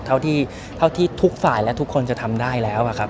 เท่าที่ทุกฝ่ายและทุกคนจะทำได้แล้วครับ